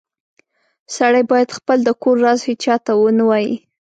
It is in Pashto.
سړی باید خپل د کور راز هیچاته و نه وایې